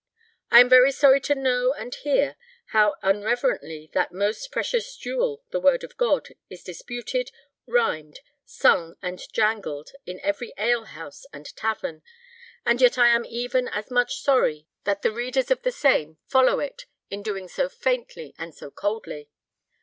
"I am very sorry to know and hear how unreverently that most precious jewel, the Word of God, is disputed, rimed, sung and jangled in every ale house and tavern ... and yet I am even as much sorry that the readers of the same follow it in doing so faintly and so coldly.